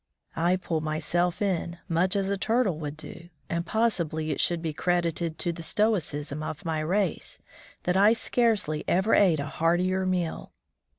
I pulled myself in, much as a turtle would do, and possibly it should be credited to the stoicism of my race that I scarcely ever ate a heartier meal.